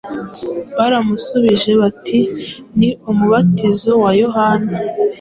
Baramusubije bati, ni ” Umubatizo wa Yohana.”